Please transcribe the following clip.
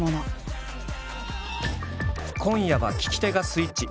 今夜は聞き手がスイッチ。